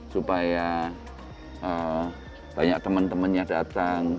supaya banyak teman temannya datang